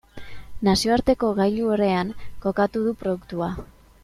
Nazioarteko gailurrean kokatu du produktua.